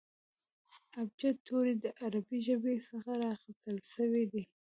ابجد توري د عربي ژبي څخه را اخستل سوي دي.